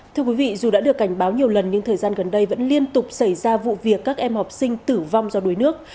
thưa quý vị dù đã được cảnh báo nhiều lần nhưng thời gian gần đây vẫn liên tục xảy ra vụ việc các em học sinh tử vong do đuối nước